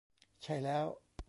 ใช่แล้ว